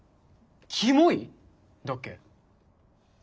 「キモイ」だっけ？